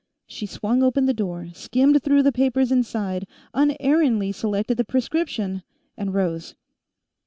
She swung open the door, skimmed through the papers inside, unerringly selected the prescription, and rose.